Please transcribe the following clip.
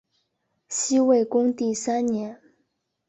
西魏恭帝三年。